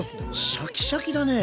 シャキシャキだね。